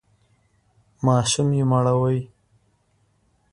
ماشوم یې مړوئ!